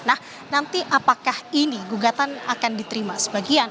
nah nanti apakah ini gugatan akan diterima sebagian